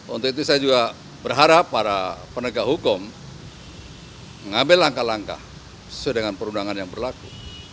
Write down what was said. untuk itu saya juga berharap para penegak hukum mengambil langkah langkah sesuai dengan perundangan yang berlaku